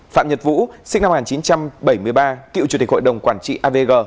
phạm nhật vũ sinh năm một nghìn chín trăm bảy mươi ba cựu chủ tịch hội đồng quản trị avg